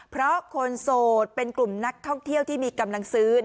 เพราะคนโสดเป็นกลุ่มนักท่องเที่ยวที่มีกำลังซื้อ